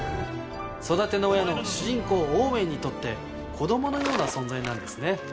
育ての親の主人公オーウェンにとって子供のような存在なんですね。